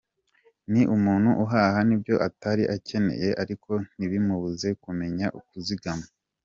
Ni umuntu uhaha n’ibyo atari acyeneye ariko ntibimubuza kumenya kuzigama.